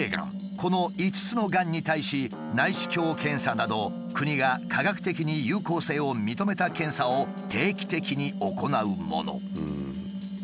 この５つのがんに対し内視鏡検査など国が科学的に有効性を認めた検査を定期的に行うもの。